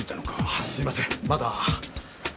あすいませんまだ。